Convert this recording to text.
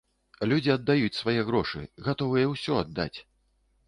Людзі аддаюць свае грошы, гатовыя ўсё аддаць!